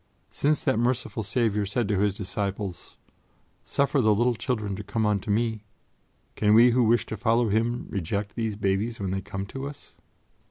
Since that merciful Saviour said to His disciples, 'suffer the little children to come unto Me,' can we who wish to follow Him reject these babies when they come to us?"